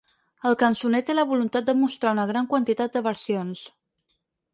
El cançoner té la voluntat de mostrar una gran quantitat de versions.